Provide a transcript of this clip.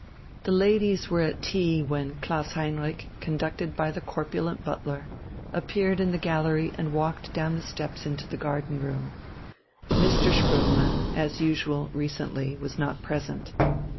The ladies were at tea when Klaus Heinrich, conducted by the corpulent butler, appeared in the gallery and walked down the steps into the garden room. Mr. Spoelmann, as usual recently, was not present.